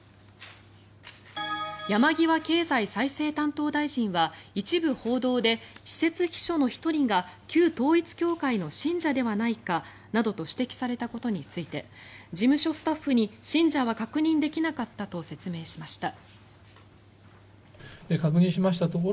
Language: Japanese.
山際経済再生担当大臣は一部報道で私設秘書の１人が旧統一教会の信者ではないかなどと指摘されたことについて事務所スタッフに信者は確認できなかったと説明しました。